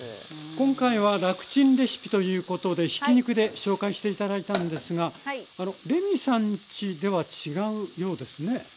今回は楽チンレシピということでひき肉で紹介して頂いたんですがレミさんちでは違うようですね